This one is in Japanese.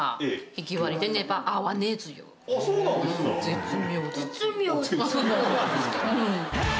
絶妙。